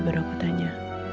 apa di ruang kerjanya